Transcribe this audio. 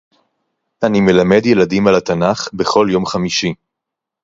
אני מלמד ילדים על התנ"ך בכל יום חמישי.